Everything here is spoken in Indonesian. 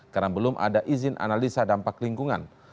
karena belum ada izin analisa dampak lingkungan